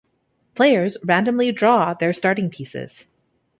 Players randomly draw their starting pieces.